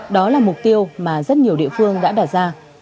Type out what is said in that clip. đó là mục tiêu mà rất nhiều địa phương đã đạt ra